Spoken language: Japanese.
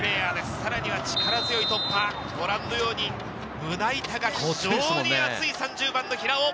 さらには力強い突破、ご覧のように胸板が非常に厚い３０番の平尾。